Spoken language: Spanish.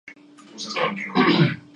nosotras no partiéramos